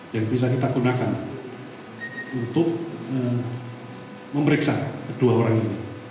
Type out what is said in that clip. yang bisa kita gunakan untuk memeriksa kedua orang ini